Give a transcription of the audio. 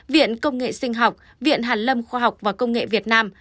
viện công nghệ sinh học viện hàn lâm khoa học và công nghệ việt nam